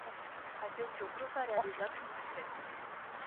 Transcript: Acest lucru s-a realizat cu succes.